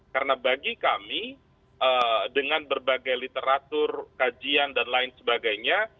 karena bagi kami dengan berbagai literatur kajian dan lain sebagainya